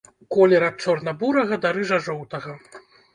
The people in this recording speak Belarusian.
Колер ад чорна-бурага да рыжа-жоўтага.